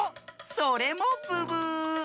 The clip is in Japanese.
それもブブー！